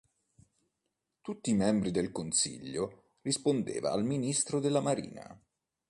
Tutti i membri del Consiglio rispondeva al Ministro della Marina.